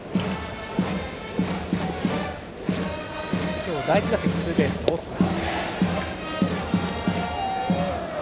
今日第１打席ツーベースのオスナ。